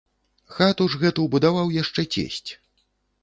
Хату ж гэту будаваў яшчэ цесць.